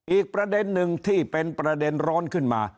อีกประเด็นหนึ่งที่เป็นประเด็นร้อนขึ้นมา